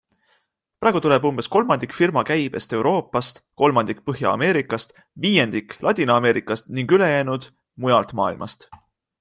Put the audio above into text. Praegu tuleb umbes kolmandik firma käibest Euroopast, kolmandik Põhja-Ameerikast, viiendik Ladina-Ameerikast ning ülejäänud mujalt maailmast.